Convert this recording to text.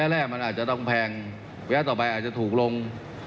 แรกมันอาจจะต้องแพงระยะต่อไปอาจจะถูกลง